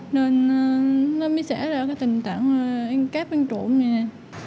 nên nó mới xảy ra cái tình trạng em cáp em trộm này nè